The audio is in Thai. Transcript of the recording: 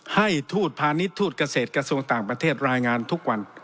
ให้ทูตพาณิชย์ทูตเกษตรกระทรวงต่างประเทศรายงานทุกวัน